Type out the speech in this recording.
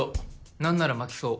なんなら巻きそう。